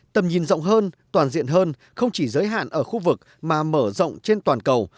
tầm nhìn rộng hơn toàn diện hơn không chỉ giới hạn ở khu vực mà mở rộng trên toàn cầu